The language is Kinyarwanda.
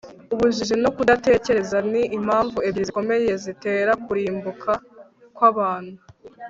ubujiji no kudatekereza ni impamvu ebyiri zikomeye zitera kurimbuka kw'abantu